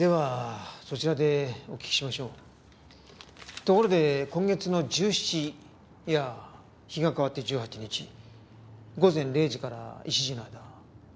ところで今月の１７いや日が変わって１８日午前０時から１時の間どちらにいらっしゃいました？